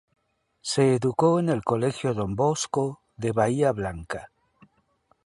Se educó en el Colegio Don Bosco de Bahía Blanca.